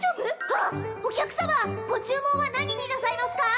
はっお客様ご注文は何になさいますか？